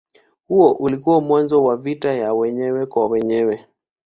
Huo ulikuwa mwanzo wa vita ya wenyewe kwa wenyewe.